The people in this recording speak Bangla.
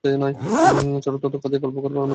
চারু অত্যন্ত ফাঁদিয়া গল্প আরম্ভ করিয়াছিল।